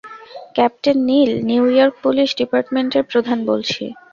Captain Neil, New York police ডিপার্টমেন্টের প্রধান বলছি।